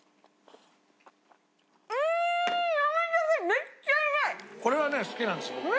めっちゃうまいこれ！